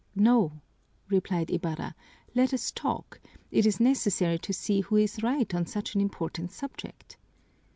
"No," replied Ibarra, "let us talk; it is necessary to see who is right on such an important subject."